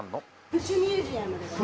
プチミュージアム。